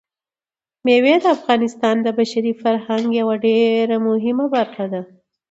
مېوې د افغانستان د بشري فرهنګ یوه ډېره مهمه برخه ده.